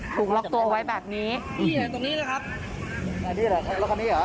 ถูกล็อกตัวเอาไว้แบบนี้ที่ไหนตรงนี้นะครับที่ไหนใครล็อกคันนี้หรอ